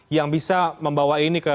yang bisa membawa ini ke